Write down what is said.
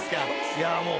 いやもう。